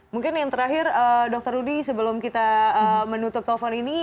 mungkin yang terakhir dokter rudy sebelum kita menutup telepon ini